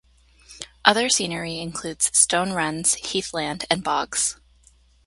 Other scenery includes stone runs, heathland, and bogs.